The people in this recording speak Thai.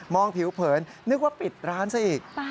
มองผิวเผิญนึกว่าปิดร้านสิ